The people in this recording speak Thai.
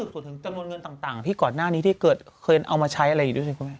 จำนวนเงินต่างพี่ก่อนหน้านี้ที่เกิดเคยเอามาใช้อะไรอยู่ด้วยใช่ไหม